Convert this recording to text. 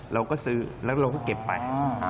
เราก็ซื้อแล้วเราก็เก็บไป